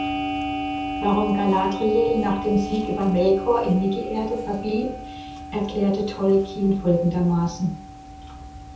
Warum Galadriel nach dem Sieg über Melkor in Mittelerde verblieb erklärte Tolkien folgendermaßen.